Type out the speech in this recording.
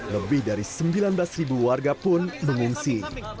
lebih dari sembilan belas ribu warga pun mengungsi